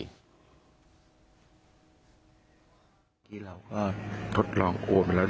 ที่เราก็ทดลองโอนไปแล้ว